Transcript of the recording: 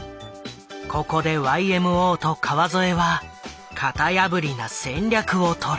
ここでＹＭＯと川添は型破りな戦略をとる。